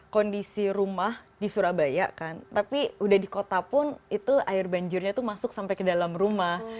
kondisi rumah di surabaya kan tapi udah di kota pun itu air banjirnya itu masuk sampai ke dalam rumah